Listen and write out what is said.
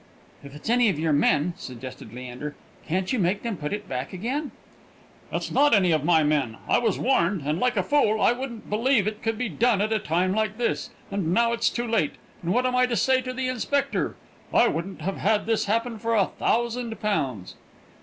"If it's any of your men," suggested Leander, "can't you make them put it back again?" "It's not any of my men. I was warned, and, like a fool, I wouldn't believe it could be done at a time like this; and now it's too late, and what am I to say to the inspector? I wouldn't have had this happen for a thousand pounds!"